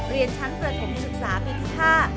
เรียนชั้นประถมศึกษาปีที่ห้า